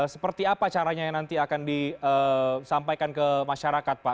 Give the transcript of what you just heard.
seperti apa caranya yang nanti akan disampaikan ke masyarakat pak